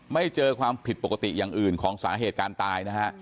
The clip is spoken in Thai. ไม่เจอความผิดปกติอย่างอื่นของสาเหตุการณ์ตายนะฮะ